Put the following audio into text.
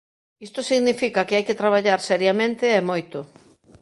Isto significa que hai que traballar seriamente e moito.